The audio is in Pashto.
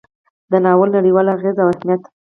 د ناول نړیوال اغیز او اهمیت: